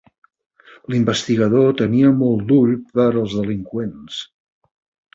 L'investigador tenia molt d'ull per als delinqüents.